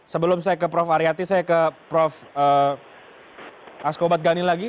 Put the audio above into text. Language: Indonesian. sebelum saya ke prof aryati saya ke prof asko badgani lagi